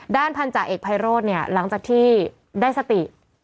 พันธาเอกภัยโรธเนี่ยหลังจากที่ได้สติ